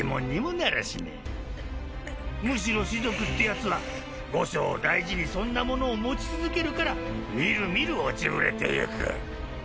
むしろ士族ってやつは後生大事にそんなものを持ち続けるから見る見る落ちぶれてゆく。